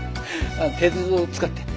手酢を使って。